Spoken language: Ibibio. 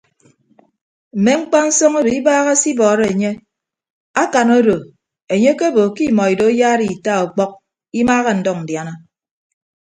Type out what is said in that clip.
Ke mkpansọñ odo ibaaha se ibọọrọ enye akan odo enye akebo ke imọ ido ayaara ita ọkpọk imaaha ndʌñ ndiana.